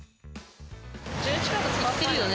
１０万近く使ってるよね。